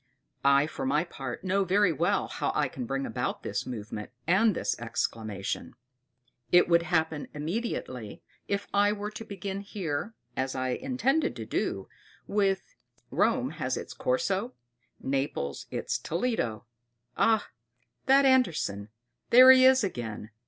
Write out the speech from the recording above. I, for my part, know very well how I can bring about this movement and this exclamation. It would happen immediately if I were to begin here, as I intended to do, with: "Rome has its Corso, Naples its Toledo" "Ah! that Andersen; there he is again!"